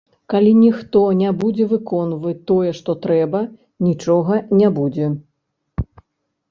Калі ніхто не будзе выконваць тое, што трэба, нічога не будзе.